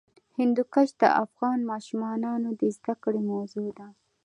هندوکش د افغان ماشومانو د زده کړې موضوع ده.